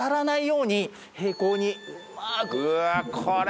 うわっこれ。